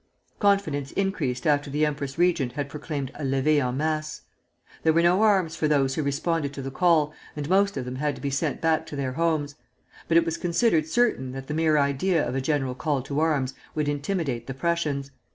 Confidence increased after the empress regent had proclaimed a levée en masse. There were no arms for those who responded to the call, and most of them had to be sent back to their homes; but it was considered certain that the mere idea of a general call to arms would intimidate the Prussians.